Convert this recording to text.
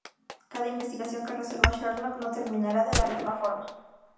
Cada investigación que resuelva Sherlock no terminara de la misma forma.